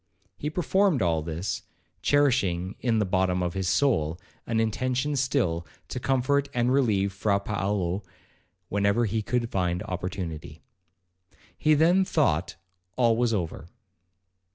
He performed all this, cherishing in the bottom of his soul an intention still to comfort and relieve Fra Paolo, whenever he could find opportunity. He then thought all was over.